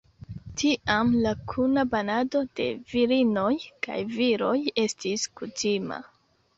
Tiam la kuna banado de virinoj kaj viroj estis kutima.